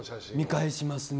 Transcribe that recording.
見返しますね。